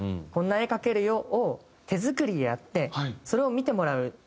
「こんな絵描けるよ」を手作りでやってそれを見てもらう。